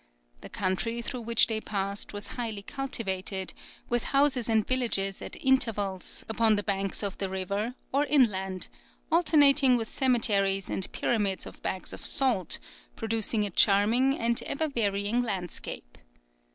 The country through which they passed was highly cultivated, with houses and villages at intervals upon the banks of the river or inland, alternating with cemeteries and pyramids of bags of salt, producing a charming and ever varying landscape.